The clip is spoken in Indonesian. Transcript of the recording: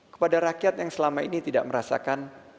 kepada rakyat yang selama ini tidak merasakan